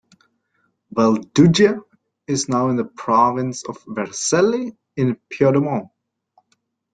Valduggia is now in the Province of Vercelli in Piedmont.